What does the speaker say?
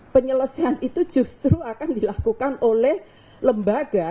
penyelesaian itu justru akan dilakukan oleh lembaga